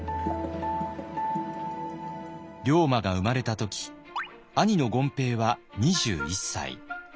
龍馬が生まれた時兄の権平は２１歳。